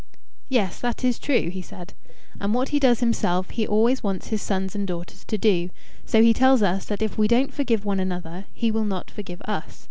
"Yes; that is true," he said. "And what he does himself, he always wants his sons and daughters to do. So he tells us that if we don't forgive one another, he will not forgive us.